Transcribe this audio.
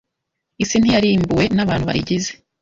Isi ntiyarimbuwe nabantu bayigize